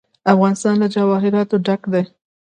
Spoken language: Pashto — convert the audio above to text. افغانستان له جواهرات ډک دی.